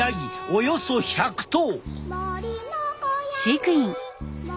およそ１００頭！